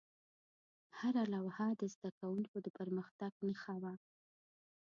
هره لوحه د زده کوونکو د پرمختګ نښه وه.